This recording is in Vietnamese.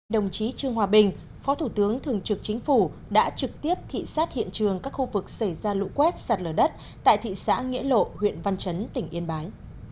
đồng chí trương hòa bình phó thủ tướng thường trực chính phủ đã trực tiếp thị xát hiện trường các khu vực xảy ra lũ quét sạt lở đất tại thị xã nghĩa lộ huyện văn chấn tỉnh yên bái